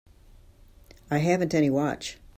I haven't any watch.